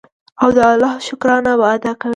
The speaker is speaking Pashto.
او د الله شکرانه به ادا کوي.